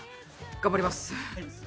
頑張ります。